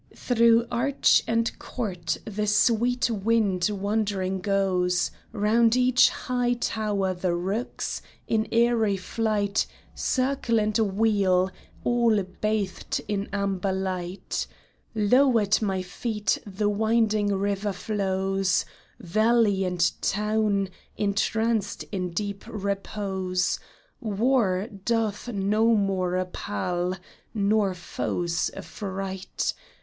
Through arch and court the sweet wind wandering goes ; Round each high tower the rooks, in airy flight, Circle and wheel, all bathed in amber light ; Low at my feet the winding river flows ; Valley and town, entranced in deep repose. War doth no more appall, nor foes affright